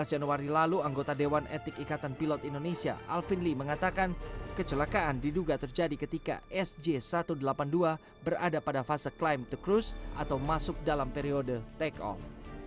dua belas januari lalu anggota dewan etik ikatan pilot indonesia alvin lee mengatakan kecelakaan diduga terjadi ketika sj satu ratus delapan puluh dua berada pada fase clim to cruise atau masuk dalam periode take off